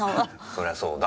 そりゃそうだ。